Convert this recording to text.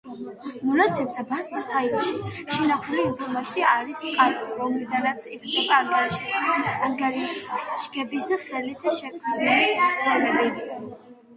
მონაცემთა ბაზის ფაილში შენახული ინფორმაცია არის წყარო რომლიდანაც ივსება ანგარიშგების ხელით შექმნილი ფორმები.